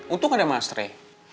untung ada mas rey